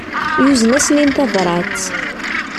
Yuzen-asen-in tabrat.